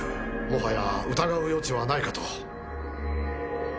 もはや疑う余地はないかと。